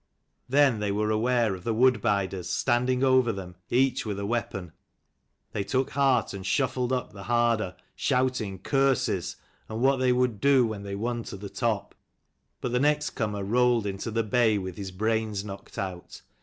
Then they were aware of the wood biders standing over them, each with a weapon. They took heart and shuffled up the harder, shouting curses, and what they would do when they won to the top. But the next comer rolled into the bay with his brains knocked out.